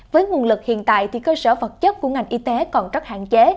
với nguồn lực hiện tại thì cơ sở vật chất của ngành y tế còn rất hạn chế